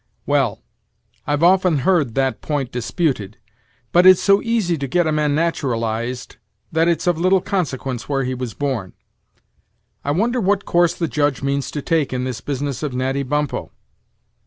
"Well. I've often heard that point disputed; but it's so easy to get a man naturalized, that it's of little consequence where he was born. I wonder what course the Judge means to take in this business of Natty Bumppo!"